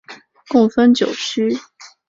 共分九区。